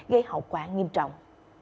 gây hậu quả nghiêm trọng